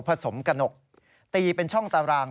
สมกระหนกตีเป็นช่องตาราง